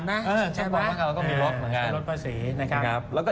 สักเมื่อก่อนเราก็มีรถครับ